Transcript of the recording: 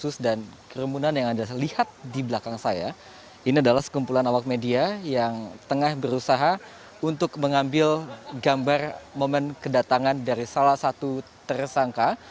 kasus dan kerumunan yang anda lihat di belakang saya ini adalah sekumpulan awak media yang tengah berusaha untuk mengambil gambar momen kedatangan dari salah satu tersangka